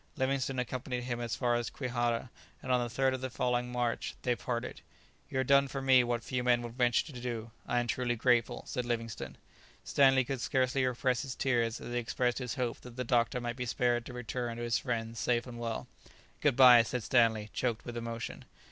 Livingstone accompanied him as far as Kwihara, and on the 3rd of the following March they parted. "You have done for me what few men would venture to do; I am truly grateful," said Livingstone. Stanley could scarcely repress his tears as he expressed his hope that the doctor might be spared to return to his friends safe and well. "Good bye!" said Stanley, choked with emotion.